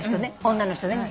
女の人ね。